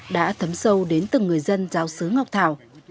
đã thấm sâu đến từng người dân giáo sứ ngọc thảo